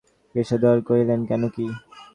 কৃষ্ণদয়াল কহিলেন, কেন কী!